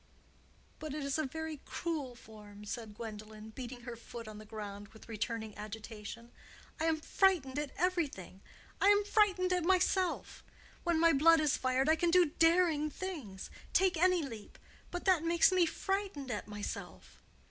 "But it is a very cruel form," said Gwendolen, beating her foot on the ground with returning agitation. "I am frightened at everything. I am frightened at myself. When my blood is fired I can do daring things—take any leap; but that makes me frightened at myself."